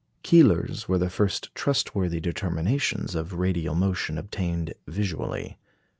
Keeler's were the first trustworthy determinations of radial motion obtained visually.